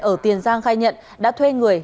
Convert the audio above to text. ở tiền giang khai nhận đã thuê người